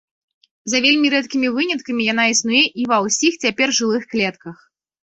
За вельмі рэдкімі выняткамі яна існуе і ва ўсіх цяпер жылых клетак.